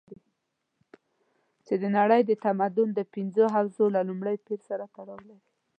چې د نړۍ د تمدن د پنځو حوزو له لومړي پېر سره تړاو لري.